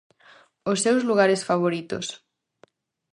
Os seus lugares favoritos.